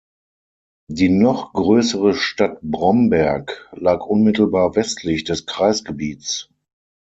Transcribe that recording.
Die noch größere Stadt Bromberg lag unmittelbar westlich des Kreisgebiets.